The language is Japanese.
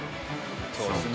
そうですね。